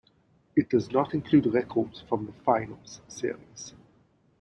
It does not include records from the finals series.